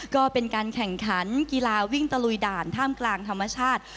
ก็เป็นการแข่งขันกีฬาวิ่งตะลุยด่านท่ามกลางธรรมชาติ